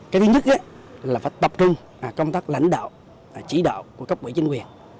cái thứ nhất là phải tập trung công tác lãnh đạo chỉ đạo của các quỹ chính